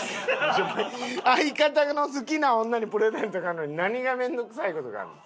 相方の好きな女にプレゼント買うのに何が面倒くさい事があるねん？